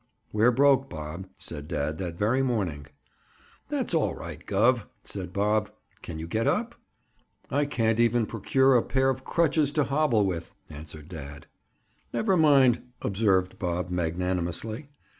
"We're broke, Bob," said dad that very morning. "That's all right, Gov.," said Bob. "Can you get up?" "I can't even procure a pair of crutches to hobble with," answered dad. "Never mind," observed Bob magnanimously.